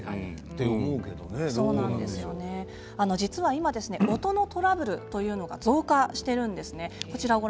実は今、音のトラブルというのが増加しているんですね。